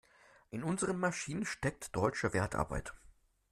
In unseren Maschinen steckt deutsche Wertarbeit.